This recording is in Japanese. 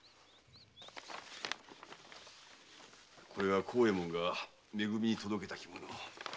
これは幸右衛門がめ組に届けた着物だ。